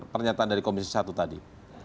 pernyataan dari komisi satu tadi